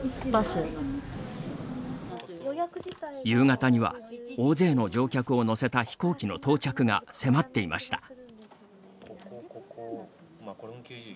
夕方には大勢の乗客を乗せた飛行機の到着が迫っていました。